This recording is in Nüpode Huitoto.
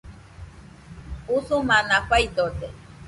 Usumana faidode